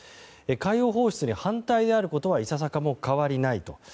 海洋放出に反対であることはいささかも変わりないと。